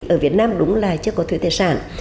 ở việt nam đúng là chưa có thuế tài sản